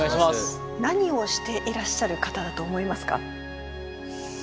何をしていらっしゃる方だと思いますか？